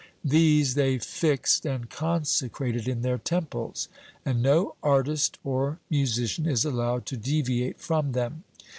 These they fixed and consecrated in their temples; and no artist or musician is allowed to deviate from them.